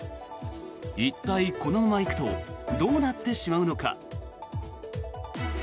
一体このままいくとどうなってしまうのか。